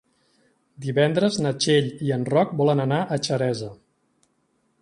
Divendres na Txell i en Roc volen anar a Xeresa.